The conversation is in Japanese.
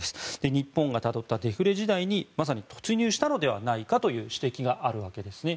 日本がたどったデフレ時代にまさに突入したのではないかという指摘があるわけですね。